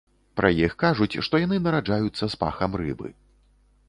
Пра іх кажуць, што яны нараджаюцца з пахам рыбы.